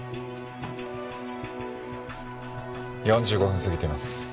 ４５分過ぎてます。